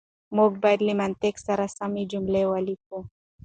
موږ بايد له منطق سره سمې جملې وليکو.